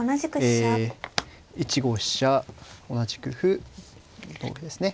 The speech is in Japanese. １五飛車同じく歩同歩ですね